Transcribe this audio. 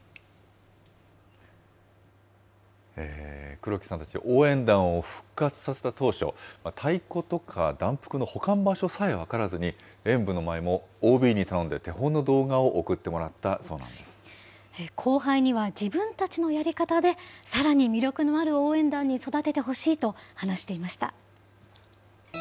黒木さんたち、応援団を復活させた当初、太鼓とか団服の保管場所さえ分からずに、演舞の舞いもＯＢに頼んで手本の動画を送ってもらったそうなんで後輩には自分たちのやり方で、さらに魅力のある応援団に育ててほしいと話していました。